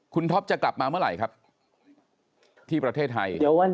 คุณท็อปจะกลับมาเมื่อไหร่ครับที่ประเทศไทย